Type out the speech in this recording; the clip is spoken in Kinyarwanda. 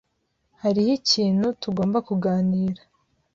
Hariho ikintu tugomba kuganira.